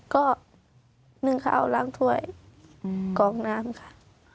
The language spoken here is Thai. ก็นึ่งข้าวล้างถ้วยกอกน้ำค่ะ